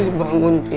riri bangun riri